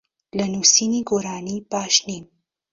لە نووسینی گۆرانی باش نیم.